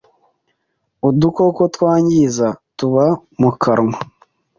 udukoko twangiza tuba mu kanwa.